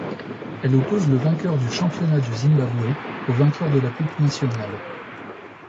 Elle oppose le vainqueur du championnat du Zimbabwe au vainqueur de la Coupe nationale.